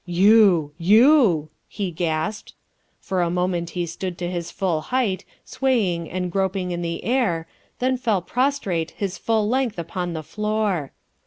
"You! You!" he gasped. For a moment he stood to his full height, swaying and groping in the air, then fell prostrate his full length upon the floor.